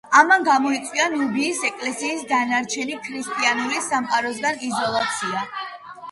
ამან გამოიწვია ნუბიის ეკლესიის დანარჩენი ქრისტიანული სამყაროსგან იზოლაცია.